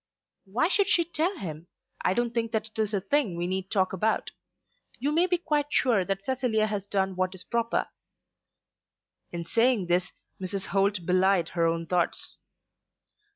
"Why should she tell him? I don't think that it is a thing we need talk about. You may be quite sure that Cecilia has done what is proper." In saying this Mrs. Holt belied her own thoughts.